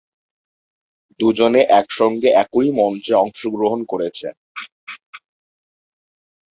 দুজনে এক সঙ্গে একই মঞ্চে অংশগ্রহণ করেছেন।